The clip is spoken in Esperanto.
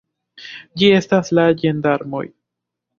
Ĝi estas la ĝendarmoj!